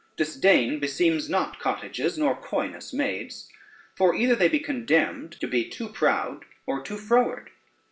Disdain beseems not cottages, nor coyness maids; for either they be condemned to be too proud, or too froward.